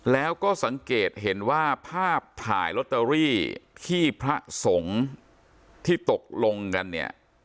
แล้วก็สังเกตเห็นว่าภาพถ่ายลอตเตอรี่ที่พระสงฆ์ที่ตกลงกันเนี่ย